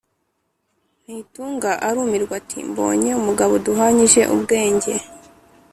Nzitunga arumirwa ati: “Mbonye umugabo duhwanyije ubwenge